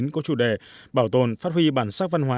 có chủ đề bảo tồn phát huy bản sắc văn hóa